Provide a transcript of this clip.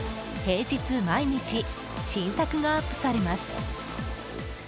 平日毎日、新作がアップされます。